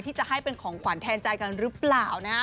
ที่จะให้เป็นของขวัญแทนใจรึเปล่า